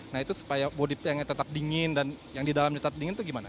nah itu supaya bodi piangnya tetap dingin dan yang di dalamnya tetap dingin itu gimana